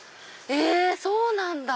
えそうなんだ。